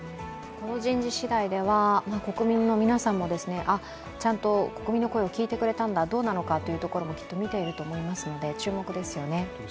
この人事次第では、国民の皆さんも、ちゃんと国民の声も聞いてくれたんだ、どうなんだときっと見ていると思いますので、注目ですよね。